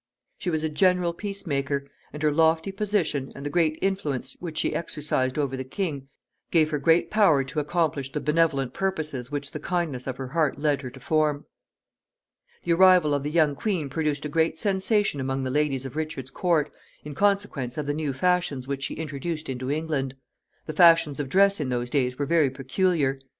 She was a general peace maker; and her lofty position, and the great influence which she exercised over the king, gave her great power to accomplish the benevolent purposes which the kindness of her heart led her to form. The arrival of the young queen produced a great sensation among the ladies of Richard's court, in consequence of the new fashions which she introduced into England. The fashions of dress in those days were very peculiar.